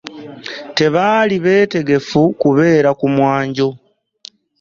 Tebaali beetegefu kubeera ku mwanjo.